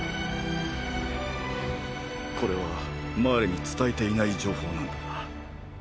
これはマーレに伝えていない情報なんだが。